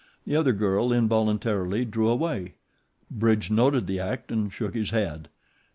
The other girl involuntarily drew away. Bridge noted the act and shook his head.